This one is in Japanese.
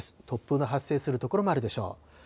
突風の発生する所もあるでしょう。